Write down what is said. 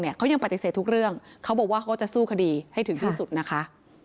เขายังปฏิเสธทุกเรื่องเขาบอกว่าเขาจะสู้คดีให้ถึงที่สุดนะคะ